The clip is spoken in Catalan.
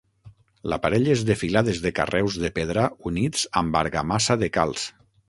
L'aparell és de filades de carreus de pedra units amb argamassa de calç.